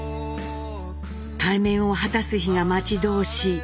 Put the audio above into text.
対面を果たす日が待ち遠しい